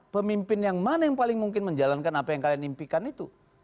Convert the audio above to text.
pemimpin yang mana yang paling mungkin menjalankan apa yang kalian impikan itu